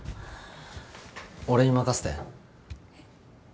俺に任せて。